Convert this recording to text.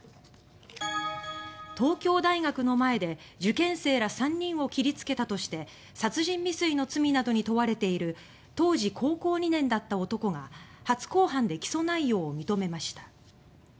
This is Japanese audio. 東京大学の前で受験生ら３人を切り付けたとして殺人未遂の罪などに問われている当時高校２年だった男が初公判で起訴内容を認めました。